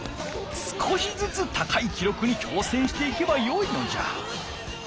少しずつ高い記録に挑戦していけばよいのじゃ。